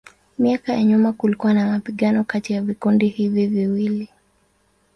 Miaka ya nyuma kulikuwa na mapigano kati ya vikundi hivi viwili.